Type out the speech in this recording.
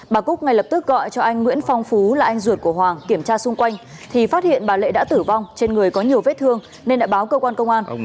bà cúc ngay lập tức gọi cho anh nguyễn phong phú là anh ruột của hoàng kiểm tra xung quanh thì phát hiện bà lệ đã tử vong trên người có nhiều vết thương nên đã báo cơ quan công an